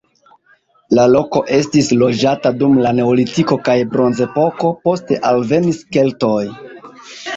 La loko estis loĝata dum la neolitiko kaj bronzepoko, poste alvenis keltoj.